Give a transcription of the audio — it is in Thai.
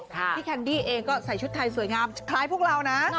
แคนดี้เองก็ใส่ชุดไทยสวยงามคล้ายพวกเรานะ